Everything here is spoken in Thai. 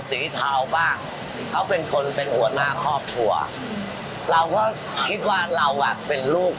เทาบ้างเขาเป็นคนเป็นหัวหน้าครอบครัวเราก็คิดว่าเราอ่ะเป็นลูก